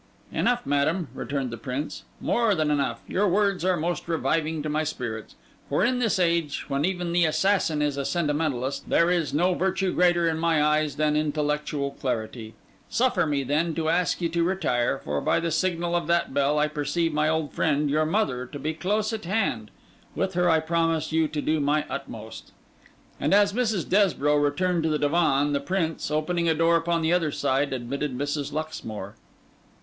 'Enough, madam,' returned the Prince: 'more than enough! Your words are most reviving to my spirits; for in this age, when even the assassin is a sentimentalist, there is no virtue greater in my eyes than intellectual clarity. Suffer me, then, to ask you to retire; for by the signal of that bell, I perceive my old friend, your mother, to be close at hand. With her I promise you to do my utmost.' And as Mrs. Desborough returned to the Divan, the Prince, opening a door upon the other side, admitted Mrs. Luxmore.